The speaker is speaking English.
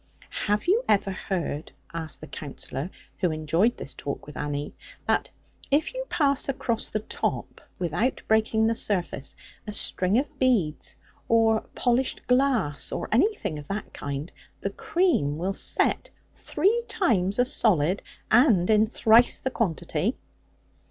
'Have you ever heard,' asked the Counsellor, who enjoyed this talk with Annie, 'that if you pass across the top, without breaking the surface, a string of beads, or polished glass, or anything of that kind, the cream will set three times as solid, and in thrice the quantity?'